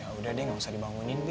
oh yaudah deh gak usah dibangunin bi